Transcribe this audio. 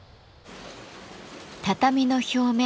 畳の表面